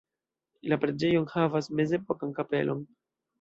La preĝejo enhavas mezepokan kapelon.